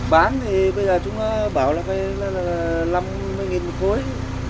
bán thì bây giờ chúng bảo là phải là năm mươi nghìn một khối